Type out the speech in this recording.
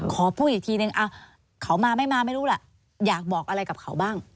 ขอพูดอีกทีนึงเขามาไม่มาไม่รู้ล่ะอยากบอกอะไรกับเขาบ้าง